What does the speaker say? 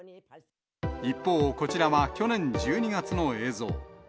一方、こちらは去年１２月の映像。